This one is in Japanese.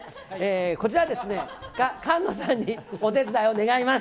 こちらですね、菅野さんにお手伝いを願います。